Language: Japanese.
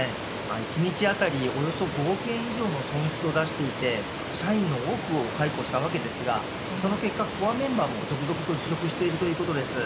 １日当たりおよそ５億円以上の損失を出していて社員の多くを解雇したわけですがその結果コアメンバーも続々と辞職しているということです。